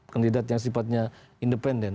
kandidat yang sifatnya independen